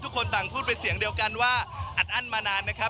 ต่างพูดเป็นเสียงเดียวกันว่าอัดอั้นมานานนะครับ